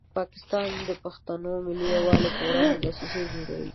پاکستان د پښتنو ملي یووالي په وړاندې دسیسې جوړوي.